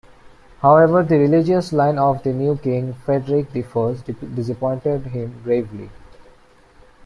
However the religious line of the new king, Frederick the First, disappointed him gravely.